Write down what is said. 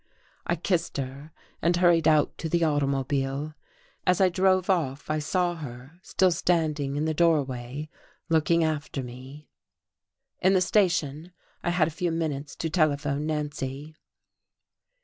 I kissed her and hurried out to the automobile. As I drove off I saw her still standing in the doorway looking after me.... In the station I had a few minutes to telephone Nancy.